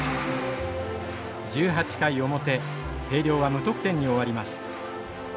１８回表星稜は無得点に終わります。